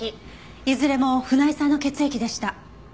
いずれも船井さんの血液でした。